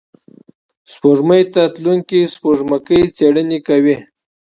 سپوږمۍ ته تلونکي سپوږمکۍ څېړنې کوي